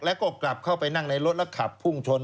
แล้วก็กลับเข้าไปนั่งในรถแล้วขับพุ่งชน